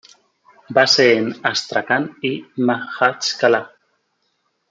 Base en Astracán y Majachkalá.